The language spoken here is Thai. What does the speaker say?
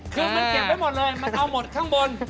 คือมันเก็บไว้หมดเลยมันเอาหมดข้างบน